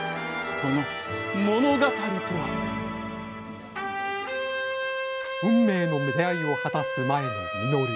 その物語とは運命の出会いを果たす前の實。